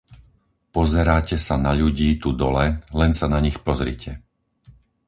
Pozeráte sa na ľudí tu dole, len sa na nich pozrite.